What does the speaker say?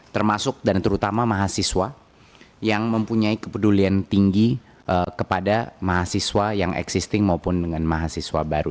termasuk dan terutama mahasiswa yang mempunyai kepedulian tinggi kepada mahasiswa yang existing maupun dengan mahasiswa baru